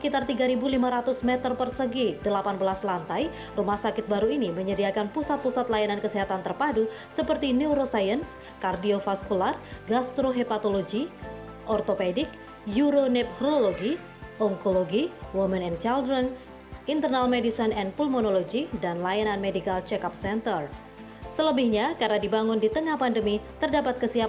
pemerintah kota surabaya mengatakan tujuh puluh persen pasien di rumah sakit negara indonesia dan terbanyak adalah surabaya